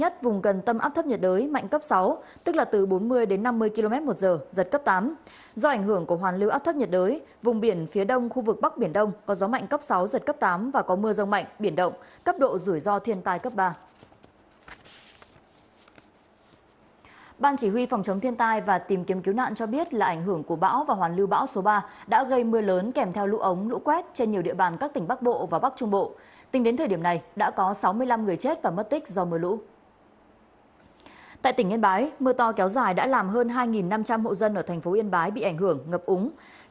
tại tỉnh yên bái mưa to kéo dài đã làm hơn hai năm trăm linh hộ dân ở thành phố yên bái bị ảnh hưởng ngập úng